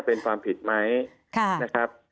เป็นความผิดไหมนะครับ